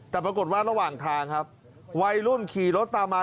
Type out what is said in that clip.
แต่ปรากฏว่าระหว่างทางครับวัยรุ่นขี่รถตามมา